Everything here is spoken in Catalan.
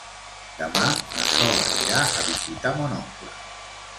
Demà na Sol anirà a visitar mon oncle.